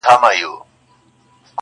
نور مغروره سو لويي ځني کيدله,